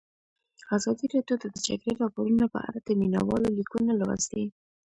ازادي راډیو د د جګړې راپورونه په اړه د مینه والو لیکونه لوستي.